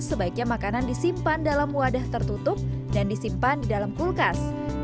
sebaiknya makanan disimpan dalam wadah tertutup dan disimpan di dalam kulkas